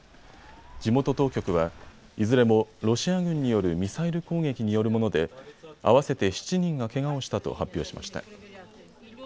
地元当局はいずれもロシア軍によるミサイル攻撃によるもので合わせて７人がけがをしたと発表しました。